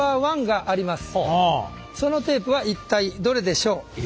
そのテープは一体どれでしょう？